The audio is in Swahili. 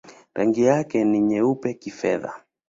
Rangi yake ni nyeupe-kifedha.